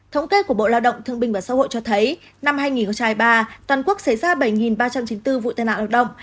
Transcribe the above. thống kê của bộ lao động thương binh và xã hội cho thấy năm hai nghìn hai mươi ba toàn quốc xảy ra bảy ba trăm chín mươi bốn vụ tai nạn lao động